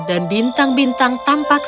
dan bintang bintang tampak